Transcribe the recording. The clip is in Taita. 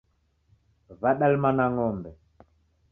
W'adalima na ngombe